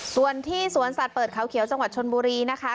ส่วนที่สวนสัตว์เปิดเขาเขียวจังหวัดชนบุรีนะคะ